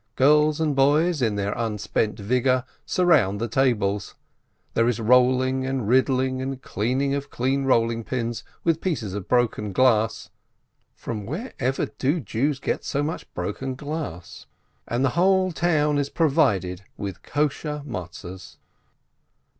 Girls and boys, in their unspent vigor, surround the tables, there is rolling and riddling and cleaning of clean rolling pins with pieces of broken glass (from where ever do Jews get so much broken glass?), and the whole town is provided with kosher Matzes.